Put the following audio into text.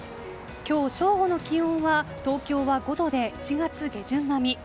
今日正午の気温は東京は５度で１月下旬並み。